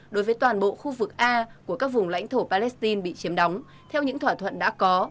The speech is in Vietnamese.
đối với toàn bộ khu vực a của các vùng lãnh thổ palestine bị chiếm đóng theo những thỏa thuận đã có